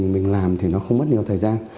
mình làm thì nó không mất nhiều thời gian